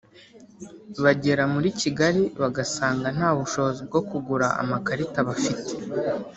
bagera muri Kigali bagasanga nta bushobozi bwo kugura amakarita bafite